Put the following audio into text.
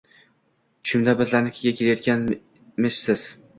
Tushimda bizlarnikiga kelayotganmishsiz.